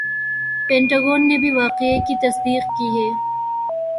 پینٹا gone نے بھی واقعہ کی تصدیق کی ہے